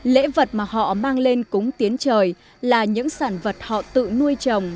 lễ vật mà họ mang lên cúng tiến trời là những sản vật họ tự nuôi trồng